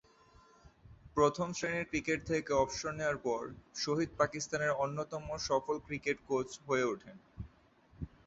প্রথম-শ্রেণীর ক্রিকেট থেকে অবসর নেওয়ার পর, শহিদ পাকিস্তানের অন্যতম সফল ক্রিকেট কোচ হয়ে ওঠেন।